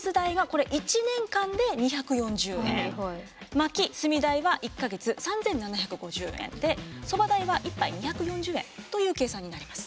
薪・炭代は１か月３，７５０円でそば代は１杯２４０円という計算になります。